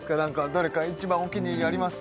どれか一番お気に入りあります？